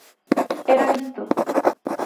Era visto!